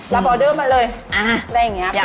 ออเดอร์มาเลยอะไรอย่างนี้